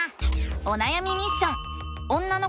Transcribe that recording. おなやみミッション！